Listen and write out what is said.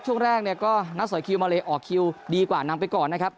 ช่วงแรกเนี่ยก็นักสอยคิวมาเลออกคิวดีกว่านำไปก่อนนะครับ